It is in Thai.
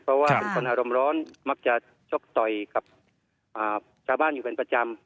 เพราะว่าเป็นคนอารมณ์ร้อนมักจะชกต่อยกับชาวบ้านอยู่เป็นประจำ